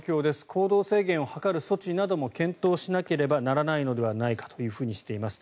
行動制限を図る措置なども検討しなければならないのではないかとしています。